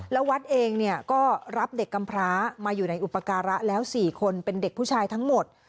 แล้ววัดเองเนี่ยก็รับเด็กกำพร้ามาอยู่ในอุปการะแล้ว๔คนเป็นเด็กผู้ชายทั้งหมด